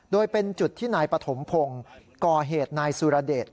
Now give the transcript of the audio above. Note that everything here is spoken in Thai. โดยเป็นจุดที่นายปฐมพงศ์ก่อเหตุนายสุรเดช